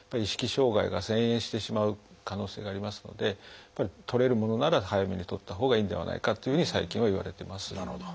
障害が遷延してしまう可能性がありますので取れるものなら早めに取ったほうがいいんではないかというふうに最近はいわれてます。